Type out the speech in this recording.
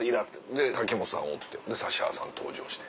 で秋元さんおって指原さん登場して。